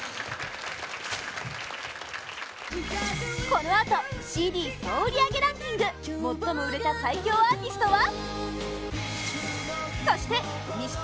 このあとＣＤ総売り上げランキング最も売れた最強アーティストは？